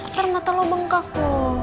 ntar mata lo bengkak mo